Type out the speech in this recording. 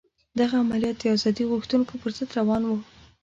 دغه عملیات د ازادي غوښتونکو پر ضد روان وو.